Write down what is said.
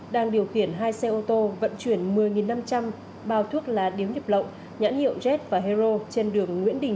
đang điều khiển hai xe ô tô vận chuyển một mươi năm trăm linh bao thuốc lá điếu nhập lộng nhãn hiệu jet và heroin